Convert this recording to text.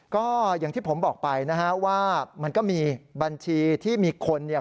ก็อย่างที่ผมบอกไปนะฮะว่ามันก็มีบัญชีที่มีคนเนี่ย